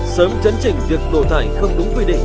sớm chấn trình việc đổ tải không đúng quy định